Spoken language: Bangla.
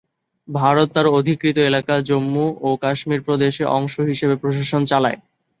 ভারত তার অধিকৃত এলাকা জম্মু ও কাশ্মীর প্রদেশের অংশ হিসেবে প্রশাসন চালায়।